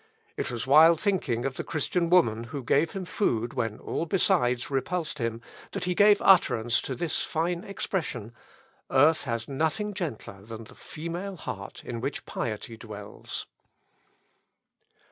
It was while thinking of the Christian woman who gave him food when all besides repulsed him, that he gave utterance to this fine expression, "Earth has nothing gentler than the female heart in which piety dwells."